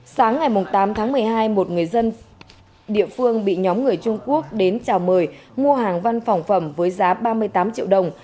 sáng ngày tám tháng một mươi hai một người dân địa phương bị nhóm người trung quốc đến chào mời mua hàng văn phòng phẩm với giá ba mươi tám triệu đồng